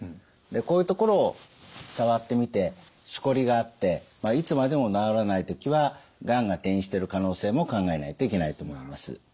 でこういうところを触ってみてしこりがあっていつまでも治らない時はがんが転移してる可能性も考えないといけないと思います。